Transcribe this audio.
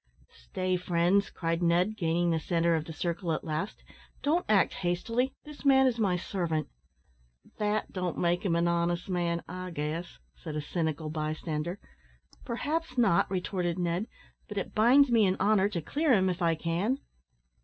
"Stay, friends," cried Ned, gaining the centre of the circle at last; "don't act hastily. This man is my servant." "That don't make him an honest man, I guess," said a cynical bystander. "Perhaps not," retorted Ned; "but it binds me in honour to clear him, if I can."